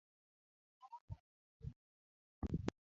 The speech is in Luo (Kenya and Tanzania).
Mano ber nyathina.